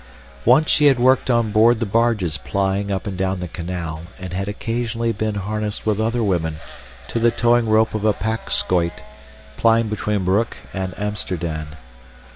Once she had worked on board the barges plying up and down the canal and had occasionally been harnessed with other women to the towing rope of a pakschuyt plying between Broek and Amsterdam.